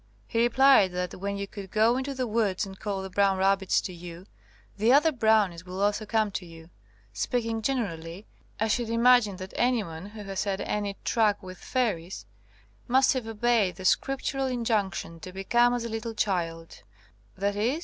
He replied that when you could go into the woods and call the brown rab bits to you the other brownies will also come to you. Speaking generally, I should imag ine that anyone who has had any truck with fairies must have obeyed the scriptural in junction to 'become as a little child,' i.e.